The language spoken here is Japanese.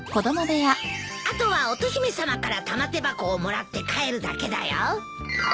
あとは乙姫さまから玉手箱をもらって帰るだけだよ。